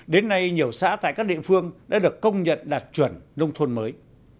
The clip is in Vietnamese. đến nay nhiều xã tại các địa phương đã được công nhận đạt chuẩn nông thôn mới